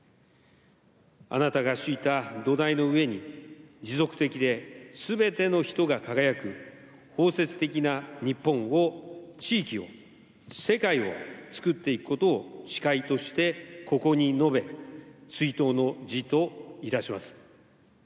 あなたが敷いた土台の上に、持続的ですべての人が輝く、包摂的な日本を、地域を、世界を、つくっていくことを誓いとして、ここに述べ、追悼の辞といたします。